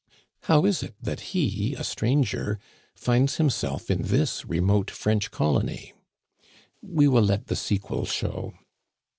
How is it that he, a stranger, finds himself in this remote French colony? We will let the sequel show.